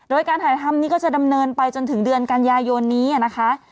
โดยการถ่ายทำนี้ก็จะดำเนินไปจนถึงเดือนกันยายนนี้นะคะ